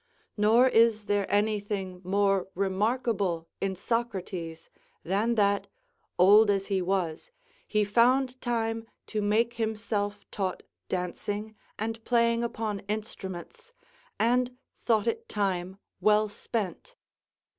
Nor is there anything more remarkable in Socrates than that, old as he was, he found time to make himself taught dancing and playing upon instruments, and thought it time well spent.